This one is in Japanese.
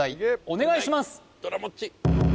お願いします